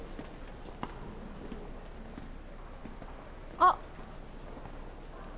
あっ。